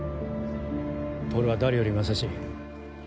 透は誰よりも優しい。